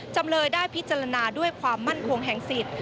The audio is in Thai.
จำเลยได้พิจารณาด้วยความมั่นคงแห่งสิทธิ์